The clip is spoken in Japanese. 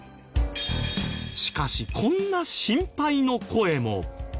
しかしこんな心配の声も。